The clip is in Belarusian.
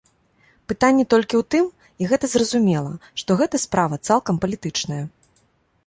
Пытанне толькі ў тым, і гэта зразумела, што гэта справа цалкам палітычная.